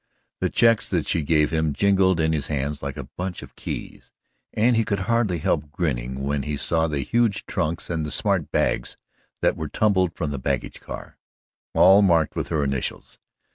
The checks that she gave him jingled in his hands like a bunch of keys, and he could hardly help grinning when he saw the huge trunks and the smart bags that were tumbled from the baggage car all marked with her initials.